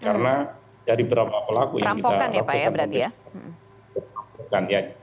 rampokan ya pak ya berarti ya